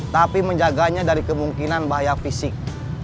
tapi menjaganya dari kemungkinan bahaya fisik